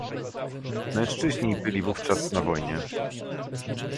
Mężczyźni byli wówczas na wojnie